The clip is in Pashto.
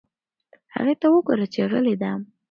هغې ته وگوره چې غلې ده.